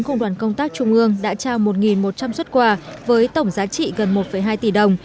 cùng đoàn công tác trung ương đã trao một một trăm linh xuất quà với tổng giá trị gần một hai tỷ đồng